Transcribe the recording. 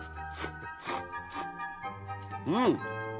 うん。